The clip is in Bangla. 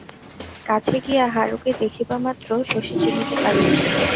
কাছে গিয়া হারুকে দেখিবামাত্র শশী চিনিতে পারিয়াছিল।